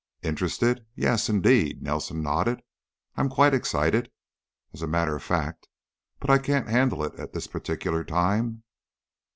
"Interested? Yes, indeed." Nelson nodded. "I'm quite excited, as a matter of fact, but I can't handle it at this particular time."